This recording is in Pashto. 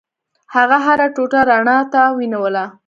هغه هره ټوټه رڼا ته ونیوله.